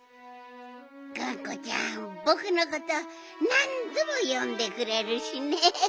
がんこちゃんぼくのことなんどもよんでくれるしね。